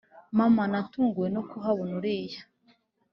mama natunguwe no kuhabona uriya